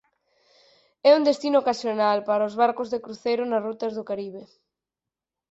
É un destino ocasional para os barcos de cruceiro nas rutas do Caribe.